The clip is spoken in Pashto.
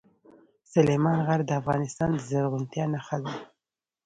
سلیمان غر د افغانستان د زرغونتیا نښه ده.